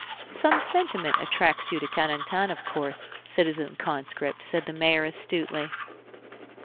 "Some sentiment attracts you to Carentan, of course, citizen conscript," said the mayor astutely.